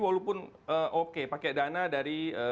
walaupun oke pakai dana dari